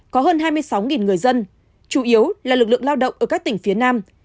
có hơn hai mươi sáu người dân chủ yếu là lực lượng lao động ở các tỉnh phía nam